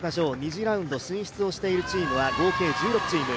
２次ラウンド進出をしているチームは合計１６チーム。